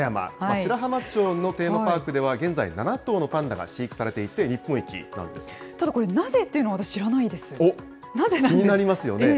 白浜町のテーマパークでは現在７頭のパンダが飼育されていて、日ただこれ、なぜっていうのは気になりますよね。